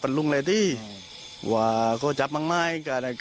ฟังเสียงของนายจรวดครับ